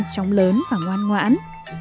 trong lớn và ngoan ngoãn